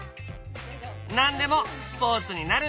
何でもスポーツになるんだね！